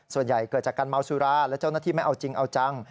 เกิดจากการเมาสุราและเจ้าหน้าที่ไม่เอาจริงเอาจัง